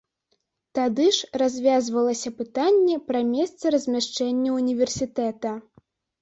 Тады ж развязвалася пытанне пра месца размяшчэння ўніверсітэта.